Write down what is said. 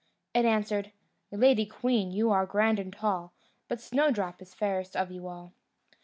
it answered: "Lady queen, you are grand and tall, But Snowdrop is fairest of you all."